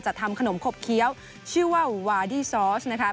ทำขนมขบเคี้ยวชื่อว่าวาดี้ซอสนะคะ